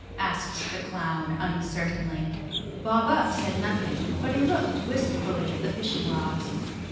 asked the clown uncertainly. Bob Up said nothing, but he looked wist¬ fully at the fishing rods.